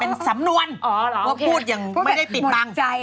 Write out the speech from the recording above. เป็นสำนวนว่าพูดอย่างไม่ได้ปิดบัง